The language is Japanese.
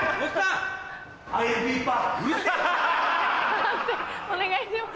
判定お願いします。